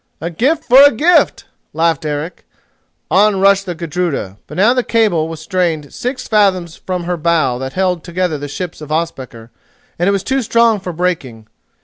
"A gift for a gift!" laughed Eric. On rushed the Gudruda, but now the cable was strained six fathoms from her bow that held together the ships of Ospakar and it was too strong for breaking.